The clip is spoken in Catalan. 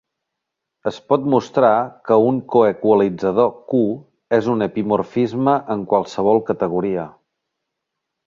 Es pot mostrar que un coequalitzador "q" és un epimorfisme en qualsevol categoria.